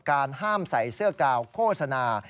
ห้ามใส่เสื้อกาวโฆษณา